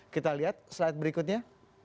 kita lihat slide berikutnya